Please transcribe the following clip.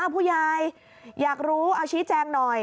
ผู้ยายอยากรู้เอาชี้แจงหน่อย